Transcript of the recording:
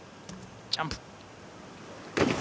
ジャンプ。